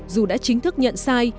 dù đã chính thức nhận sai